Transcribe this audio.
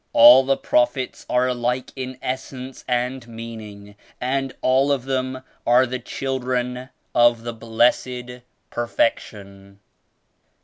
All the Prophets are alike in essence and meaning, and all of them are the children of the Blessed Perfection."